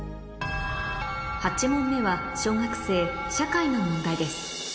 ８問目は小学生社会の問題です